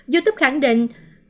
youtube khẳng định